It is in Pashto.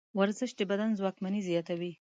ورزش د بدن ځواکمني زیاتوي.